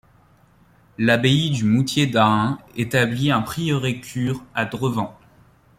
L'abbaye du Moutier d'Ahun établit un prieuré-cure à Drevant.